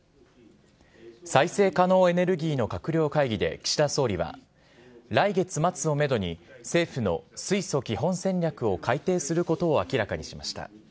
再生可能エネルギーの閣僚会議で岸田総理は、来月末をメドに、政府の水素基本戦略を改定することを明らかにしました。